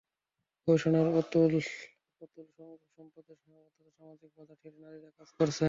গবেষণার অপ্রতুল সুযোগ, সম্পদের সীমাবদ্ধতা, সামাজিক বাধা ঠেলে নারীরা কাজ করছেন।